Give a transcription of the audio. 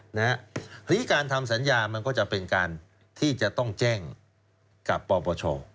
ทีนี้การทำสัญญามันก็จะเป็นการที่จะต้องแจ้งกับปปช